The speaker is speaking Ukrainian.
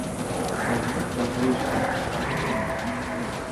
Там мука грішним не мала.